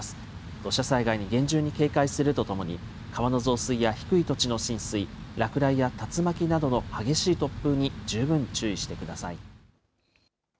土砂災害に厳重に警戒するとともに川の増水や低い土地の浸水、落雷や竜巻などの激しい突風に十分注意してください。